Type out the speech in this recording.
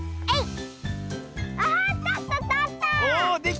はい！